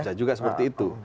bisa juga seperti itu